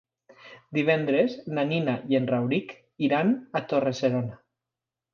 Divendres na Nina i en Rauric iran a Torre-serona.